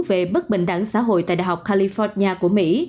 về bất bình đẳng xã hội tại đại học california của mỹ